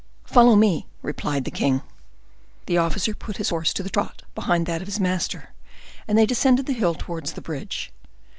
"Follow me," replied the king. The officer put his horse to the trot, behind that of his master, and they descended the hill towards the bridge.